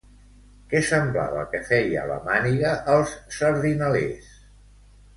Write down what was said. Què semblava que feia la màniga als sardinalers?